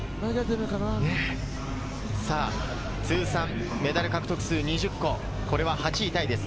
通算メダル獲得数２０個、これは８位タイです。